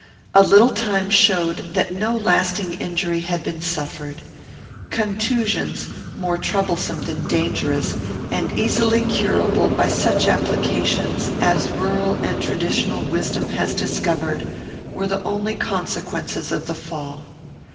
A little time showed that no lasting injury had been suffered. Contusions, more troublesome than dangerous, and easily curable by such applications as rural and traditional wisdom has discovered, were the only consequences of the fall.